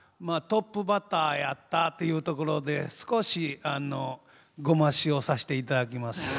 トップバッターやったっていうところで少しあのごましおさしていただきます。